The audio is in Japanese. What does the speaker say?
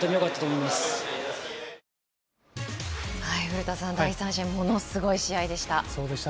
古田さん、第３試合、物すごい試合でした。